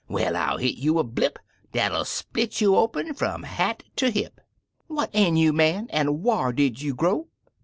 Well, I'll hit you a blip Dat'll split you open fum hat ter hip! What ail you, man? an' whar did you grow?"